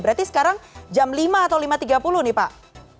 berarti sekarang jam lima atau lima tiga puluh nih pak